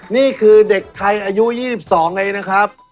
นี่คือเด็กไทยอายุ๒๒เองนะครับ